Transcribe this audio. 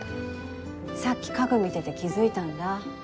さっき家具見てて気づいたんだ。